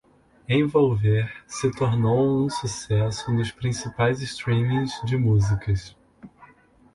Envolver se tornou um sucesso nos principais streamings de músicas